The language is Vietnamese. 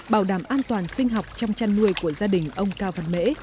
bảo đảm an toàn sinh học trong chăn nuôi của gia đình ông cao văn mễ